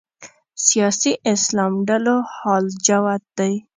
سیاسي اسلام ډلو حال جوت دی